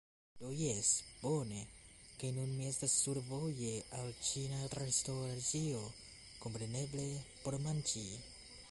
Do jes, bone. kaj nun mi estas survoje al ĉina restoracio, kompreneble, por manĝi!